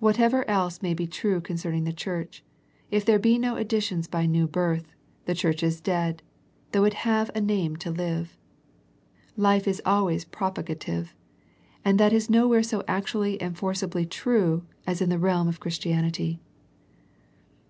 Whatever else may be true concerning the church, if there be no additions by new birth, the church is dead, though it have a name to live. Life is always propagative, and that is nowhere so actually and forcefully true as in the realm of Christianity.